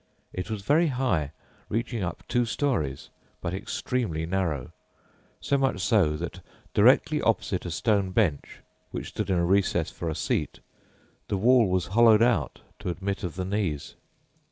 It was very high, reaching up two storeys, but extremely narrow, so much so that directly opposite a stone bench which stood in a recess for a seat, the wall was hollowed out to admit of the knees.